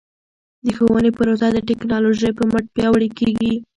د ښوونې پروسه د ټکنالوژۍ په مټ پیاوړې کیږي.